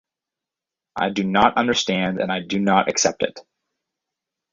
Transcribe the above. I do not understand, and I do not accept it.